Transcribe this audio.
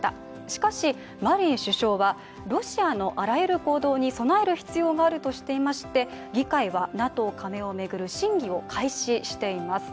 しかし、マリン首相はロシアのあらゆる行動に備える必要があるとしていまして議会はＮＡＴＯ加盟を巡る審議を開始しています。